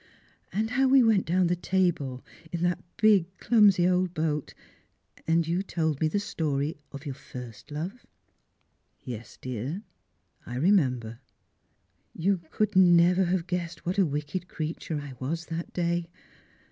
" And how we went down the Tabor in that big clumsy old boat, and you told me the story of your first love ?"" Yes, dear, I remember." "You could never have guessed what a wicked creature I was that day.